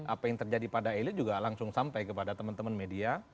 apa yang terjadi pada elit juga langsung sampai kepada teman teman media